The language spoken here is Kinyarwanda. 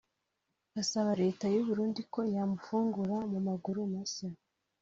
asaba Leta y’u Burundi ko yamufungura mu maguru mashya